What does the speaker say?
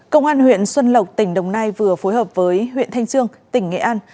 công an huyện xuân lộc tỉnh đồng nai vừa phối hợp với huyện thanh trương tỉnh nghệ an